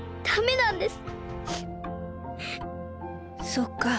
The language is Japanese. そっか。